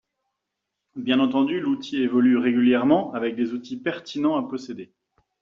Bien entendu, l'outil évolue régulièrement avec des outils pertinents à posséder.